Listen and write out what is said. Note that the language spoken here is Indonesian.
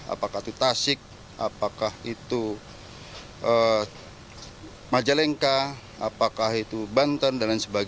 apakah itu tasik apakah itu majalengka apakah itu banten dan lain sebagainya